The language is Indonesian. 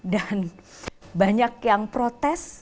dan banyak yang protes